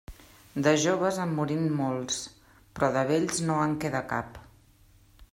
De joves en morin molts, però de vells no en queda cap.